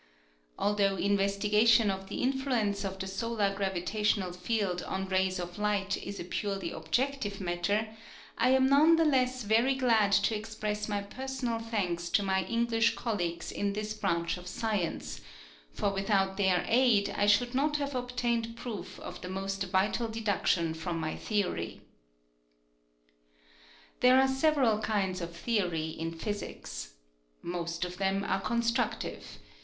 Al though investigation of the influence of the solar gravitational field on rays of light is a purely objective matter, I am none the less very glad to express my personal thanks to my English colleagues in this branch of science; for without their aid I should not have ob tained proof of the most vital deduction from my theory. There are several kinds of theory in physics. Most of them are constructive.